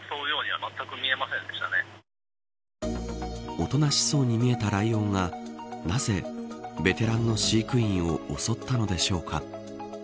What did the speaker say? おとなしそうに見えたライオンはなぜ、ベテランの飼育員を襲ったのでしょうか。